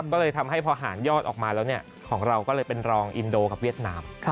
ก็เลยทำให้พอหารยอดออกมาแล้วของเราก็เลยเป็นรองอินโดกับเวียดนาม